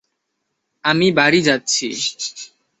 আমি বাড়ি যাচ্ছি।